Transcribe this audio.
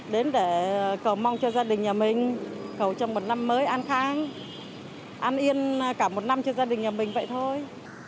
đến để cầu mong cho gia đình nhà mình cầu cho một năm mới an khang an yên cả một năm cho gia đình nhà mình vậy thôi